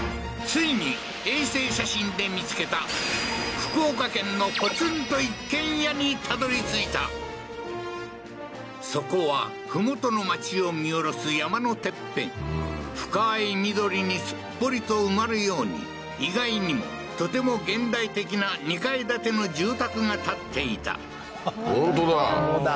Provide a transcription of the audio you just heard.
ついに衛星写真で見つけた福岡県のそこは麓の町を見下ろす山のてっぺん深い緑にすっぽりと埋まるように意外にもとても現代的な２階建ての住宅が建っていた本当だ